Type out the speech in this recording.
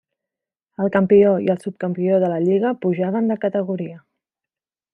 El campió i el subcampió de la lliga pujaven de categoria.